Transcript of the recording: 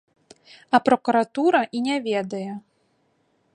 А пракуратура і не ведае!